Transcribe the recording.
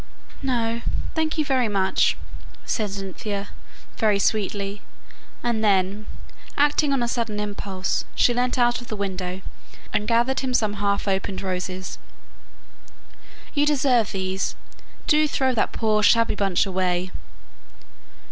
"No, thank you very much," said Cynthia, very sweetly, and then, acting on a sudden impulse, she leant out of the window, and gathered him some half opened roses. "You deserve these; do throw that poor shabby bunch away."